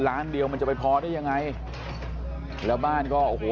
ล้านเดียวมันจะไปพอได้ยังไงแล้วบ้านก็โอ้โห